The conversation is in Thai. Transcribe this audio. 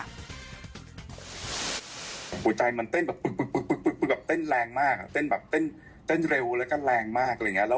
หัวใจมันเต้นแรงมากเต้นเร็วแล้วก็แรงมาก